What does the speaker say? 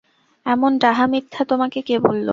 এমন ডাহা মিথ্যা তোমাকে কে বলল?